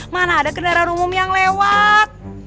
mana ada kendaraan umum yang lewat